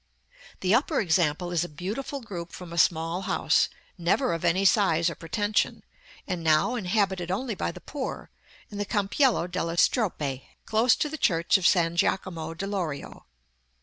The upper example is a beautiful group from a small house, never of any size or pretension, and now inhabited only by the poor, in the Campiello della Strope, close to the Church of San Giacomo de Lorio.